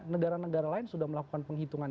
negara negara lain sudah melakukan penghitungan